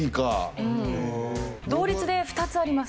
同率で２つあります。